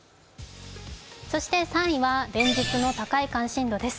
３位は連日の高い関心度です。